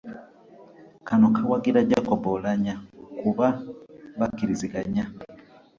Kano kawagira Jacob Oulanyah kuba bakkiriziganya.